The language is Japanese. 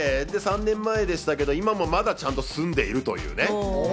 で、３年前でしたけど、今もちゃんと住んでるという。